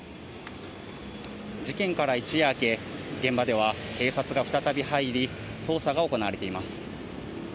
事件から一夜明け、現場では警察が再び入り、捜査が行われています。